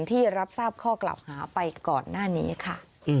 ที่รับทราบข้อกล่าวหาไปก่อนหน้านี้ค่ะ